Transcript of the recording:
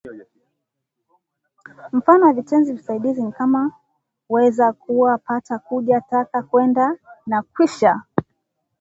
Mifano ya vitenzi visaidizi ni kama weza, kuwa, pata, kuja, taka, kwenda na kwisha